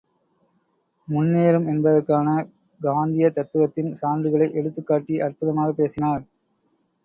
முன்னேறும் என்பதற்கான காந்திய தத்துவத்தின் சான்றுகளை எடுத்துக் காட்டி அற்புதமாகப் பேசினார்.